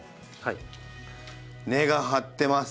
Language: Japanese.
根が張ってます。